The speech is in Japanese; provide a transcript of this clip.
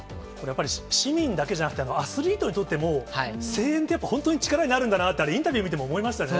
やっぱり市民だけじゃなくて、アスリートにとっても、声援ってやっぱ、本当に力になるんだなって、あれ、インタビュー見ても思いましたね。